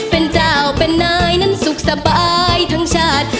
เป็นเจ้าเป็นนายนั้นสุขสบายทั้งชาติ